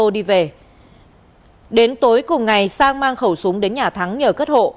đến tối cùng ngày sang mang khẩu súng đến nhà thắng nhờ cất hộ